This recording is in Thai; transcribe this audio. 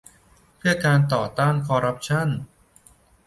เพื่อการต่อต้านคอร์รัปชั่น